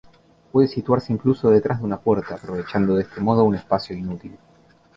Puede situarse incluso detrás de una puerta aprovechando de este modo un espacio inútil.